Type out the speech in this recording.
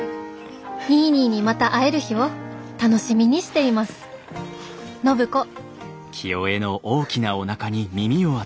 「ニーニーにまた会える日を楽しみにしています暢子」。